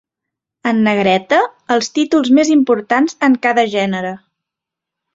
En negreta, els títols més importants en cada gènere.